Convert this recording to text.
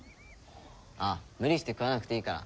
あっ無理して食わなくていいから。